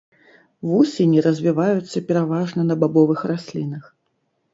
Вусені развіваюцца пераважна на бабовых раслінах.